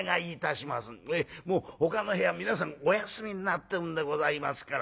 もうほかの部屋皆さんおやすみになってるんでございますから。